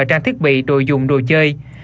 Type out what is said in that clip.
trang thiết bị đồ dùng đồ chơi